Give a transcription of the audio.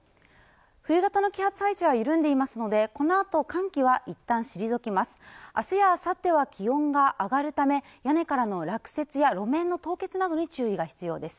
冬型の気圧配置は緩んでいますのでこのあと寒気は一旦退きます明日あさっては気温が上がるため屋根からの落雪や路面の凍結などに注意が必要です